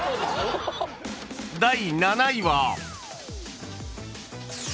［第７位は］